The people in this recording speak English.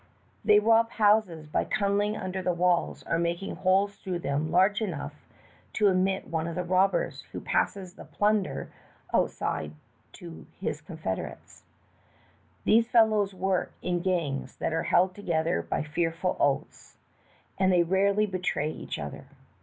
"They rob houses by tunneling under the walls or making holes through them large enough to admit one of the robbers, who passes the plunder outside to his confederates. These fellows work in gangs that are held together by fearful oaths, and they rarely betray each other.